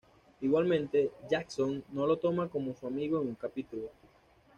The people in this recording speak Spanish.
Igualmente, Jackson no lo toma como su amigo en un capítulo.